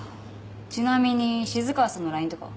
ちなみに静川さんのＬＩＮＥとかは？